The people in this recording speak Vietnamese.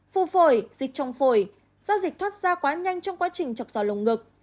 phù phổi dịch trong phổi do dịch thoát ra quá nhanh trong quá trình chọc dò lồng ngực